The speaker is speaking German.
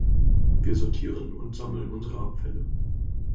Wir sortieren und sammeln unsere Abfälle.